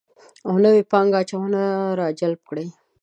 او نوې پانګه اچونه راجلب کړي